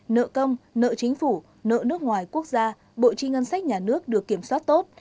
nợ công nợ chính phủ nợ nước ngoài quốc gia bộ chi ngân sách nhà nước được kiểm soát tốt